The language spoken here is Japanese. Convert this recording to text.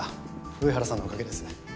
上原さんのおかげです。